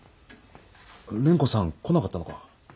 蓮子さん来なかったのか。